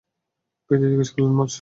পিতা জিজ্ঞেস করলেন, বৎস!